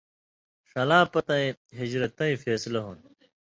ݜلَاں پتَیں، ہِجرتیں فېصلہ ہُوۡن٘دیۡ۔